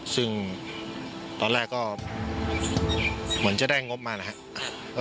ซึ่งตอนแรกก็เหมือนจะได้งบมานะครับ